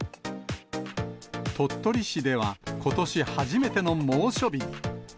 鳥取市では、ことし初めての猛暑日に。